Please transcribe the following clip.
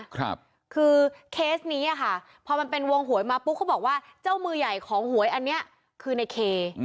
คือเคสนี้อ่ะค่ะพอมันเป็นวงหวยมาปุ๊บเขาบอกว่าเจ้ามือใหญ่ของหวยอันเนี้ยคือในเค